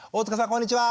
こんにちは。